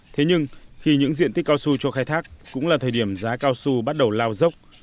thế nhưng khi những diện tích cao su cho khai thác cũng là thời điểm giá cao su bắt đầu lao dốc